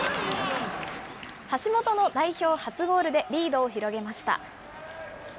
橋本の代表初ゴールでリードを広げました。